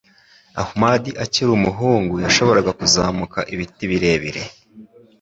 Ahmad akiri umuhungu, yashoboraga kuzamuka ibiti birebire.